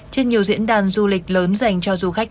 trên nhiều diễn đàn du lịch lớn dành cho du khách